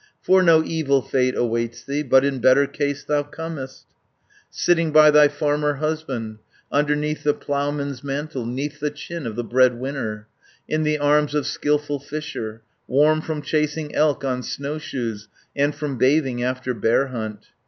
For no evil fate awaits thee, But in better case thou comest, Sitting by thy farmer husband, Underneath the ploughman's mantle, 'Neath the chin of the bread winner, In the arms of skilful fisher, 490 Warm from chasing elk on snowshoes, And from bathing after bear hunt.